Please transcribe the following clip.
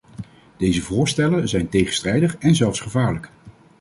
Deze voorstellen zijn tegenstrijdig en zelfs gevaarlijk.